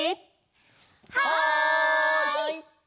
はい！